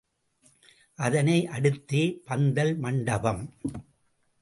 அதனை அடுத்தே பந்தல் மண்டபம்.